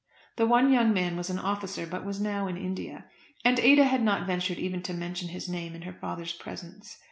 The one young man was an officer, but was now in India, and Ada had not ventured even to mention his name in her father's presence.